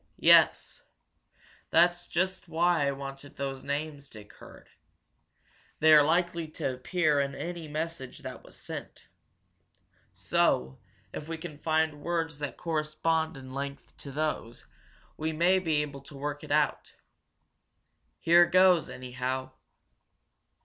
"Yes. That's just why I wanted those names Dick heard. They are likely to appear in any message that was sent. So, if we can find words that correspond in length to those, we may be able to work it out. Here goes, anyhow!"